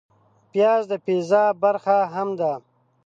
پیاز د پیزا برخه هم ده